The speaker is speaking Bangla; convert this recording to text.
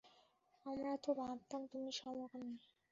আমরা তো ভাবতাম তুমি সমকামী।